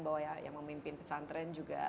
bahwa ya yang memimpin pesan tren juga